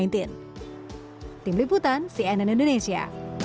tim liputan cnn indonesia